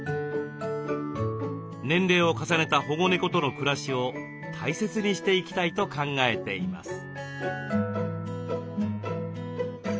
年齢を重ねた保護猫との暮らしを大切にしていきたいと考えています。